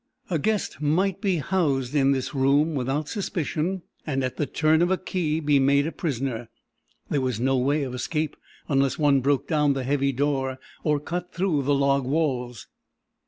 A guest might be housed in this room without suspicion and at the turn of a key be made a prisoner. There was no way of escape unless one broke down the heavy door or cut through the log walls.